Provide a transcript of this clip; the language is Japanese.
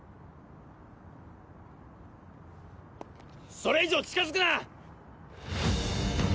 それ以上近づくな！